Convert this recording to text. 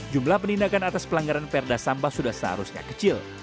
jumlah penindakan atas pelanggaran perda sampah sudah seharusnya kecil